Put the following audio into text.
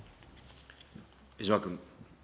江島君。